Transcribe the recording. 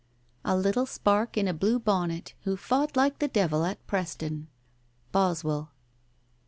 a little spark in a blue bonnet, who fought like the devil at Preston."— Boswell.